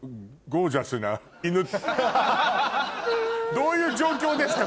どういう状況ですか？